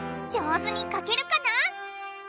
上手に描けるかな？